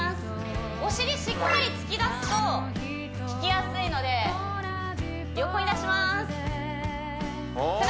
お尻しっかり突き出すとききやすいので横に出します背中